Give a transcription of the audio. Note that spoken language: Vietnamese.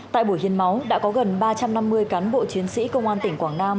tại buổi hiến máu đã có gần ba trăm năm mươi cán bộ chiến sĩ công an tỉnh quảng nam